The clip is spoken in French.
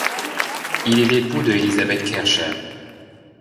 Il est l'époux de Elizabeth Kaercher.